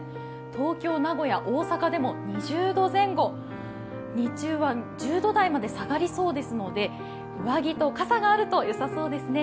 東京、名古屋、大阪でも２０度前後、日中は１０度台まで下がりそうですので上着と傘があるとよさそうですね。